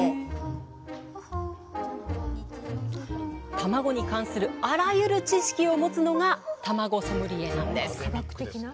たまごに関するあらゆる知識を持つのがたまごソムリエなんです！